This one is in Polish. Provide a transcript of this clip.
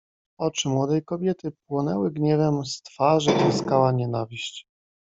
"Oczy młodej kobiety płonęły gniewem, z twarzy tryskała nienawiść."